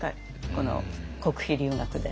この国費留学で。